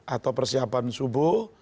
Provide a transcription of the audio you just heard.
atau persiapan subuh